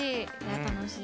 楽しい。